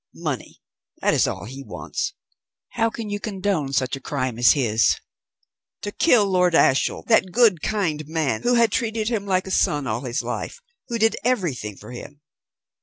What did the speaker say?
Money, that is all he wants! How can you condone such a crime as his? To kill Lord Ashiel, that good, kind man who had treated him like a son all his life, who did everything for him.